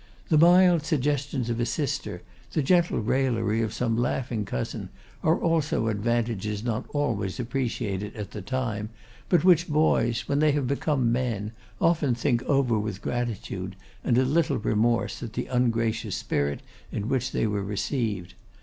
The mild suggestions of a sister, the gentle raillery of some laughing cousin, are also advantages not always appreciated at the time, but which boys, when they have become men, often think over with gratitude, and a little remorse at the ungracious spirit in which they were received.